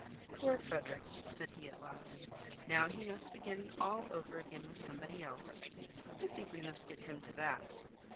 "Poor Frederick!" said he at last. "Now he must begin all over again with somebody else. I think we must get him to Bath.